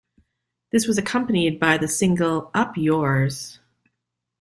This was accompanied by the single Up Yours!